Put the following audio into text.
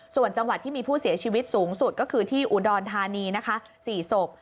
ส่วนจังหวัดที่มีผู้เสียชีวิตสูงสุดก็คือที่อุดรธานีนะคะ๔ศพ